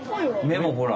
めもほら。